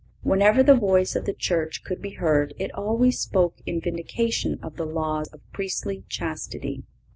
Whenever the voice of the Church could be heard it always spoke in vindication of the law of priestly chastity.